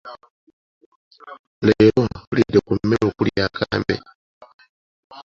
Leero tulidde ku mmere okuli akambe.